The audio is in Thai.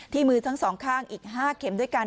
มือทั้งสองข้างอีก๕เข็มด้วยกัน